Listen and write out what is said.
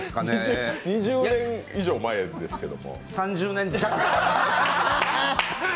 ２０年以上前ですけど。